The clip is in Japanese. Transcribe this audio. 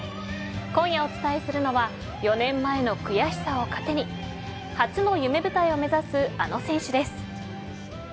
今夜お伝えするのは４年前の悔しさを糧に初の夢舞台を目指すあの選手です。